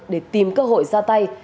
để tìm cơ hội ra tay